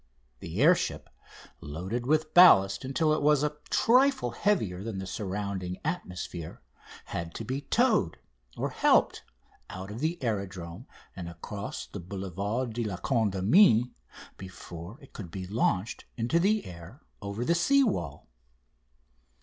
The air ship, loaded with ballast until it was a trifle heavier than the surrounding atmosphere, had to be towed, or helped, out of the aerodrome and across the Boulevard de la Condamine before it could be launched into the air over the sea wall.